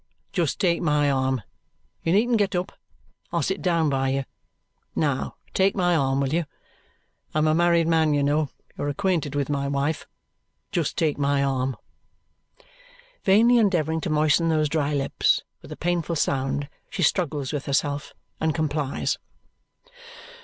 Just take my arm. You needn't get up; I'll sit down by you. Now take my arm, will you? I'm a married man, you know; you're acquainted with my wife. Just take my arm." Vainly endeavouring to moisten those dry lips, with a painful sound she struggles with herself and complies.